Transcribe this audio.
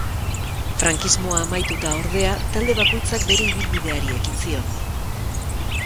Frankismoa amaituta, ordea, talde bakoitzak bere ibilbideari ekin zion.